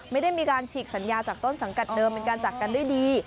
ไม่ได้มีการฉีกสัญญาจากต้นสังกัดเดิมเป็นการจากกันด้วยดี